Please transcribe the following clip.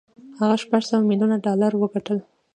هغه شپږ سوه ميليون يې ډالر وګټل.